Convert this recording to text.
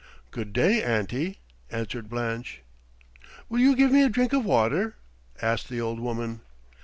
"Good day, auntie," answered Blanche. "Will you give me a drink of water?" asked the old woman.